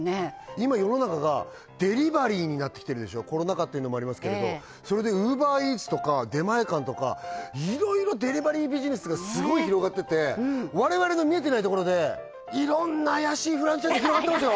今世の中がデリバリーになってきてるでしょコロナ禍っていうのもありますけれどそれでウーバーイーツとか出前館とかいろいろデリバリービジネスがすごい広がってて我々の見えてないところでいろんなあやしいフランチャイズ広がってますよ